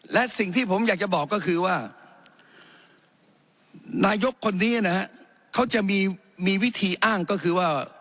และสิ่งที่ผมอยากจะบอกก็คือว่านายกคนนี้นะฮะเขาจะมีวิธีอ้างก็คือว่า